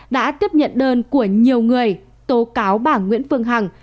đã tiếp nhận đơn của nhiều người tố cáo bà nguyễn phương hằng